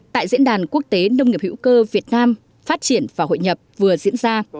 tại diễn đàn quốc tế nông nghiệp hữu cơ việt nam phát triển và hội nhập vừa diễn ra